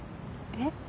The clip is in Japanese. えっ？